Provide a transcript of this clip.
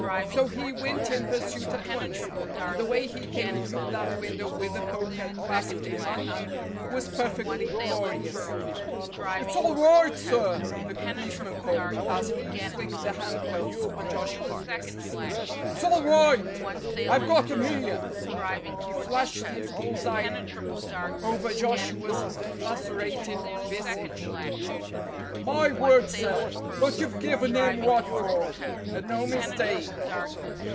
So he went in pursuit at once, and the way he came through that window with a poker clasped in one hand was perfectly glorious. "It's all right, sir," the policeman called, as he clicked the handcuffs on Joshua's wrists. "It's all right; I've got him here." He flashed his bull's eye over Joshua's lacerated visage. "My word, sir, but you've given him what for, and no mistake